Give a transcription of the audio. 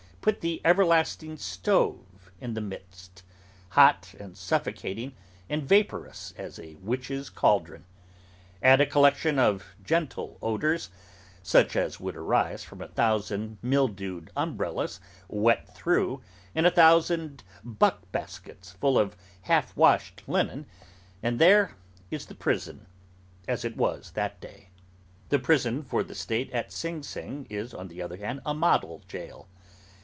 Put the everlasting stove in the midst; hot, and suffocating, and vaporous, as a witch's cauldron. Add a collection of gentle odours, such as would arise from a thousand mildewed umbrellas, wet through, and a thousand buck baskets, full of half washed linen—and there is the prison, as it was that day. The prison for the State at Sing Sing is, on the other hand, a model jail.